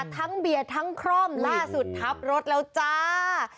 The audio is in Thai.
เบียดทั้งคร่อมล่าสุดทับรถแล้วจ้า